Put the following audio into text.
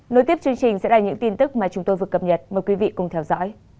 nối tiếp chương trình sẽ là những tin tức mà chúng tôi vừa cập nhật mời quý vị cùng theo dõi